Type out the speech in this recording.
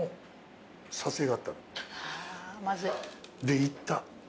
で行った。